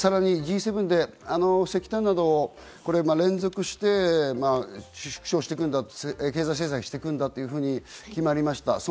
Ｇ７で石炭など連続して縮小していくんだ、経済制裁していくんだというふうに決まりました。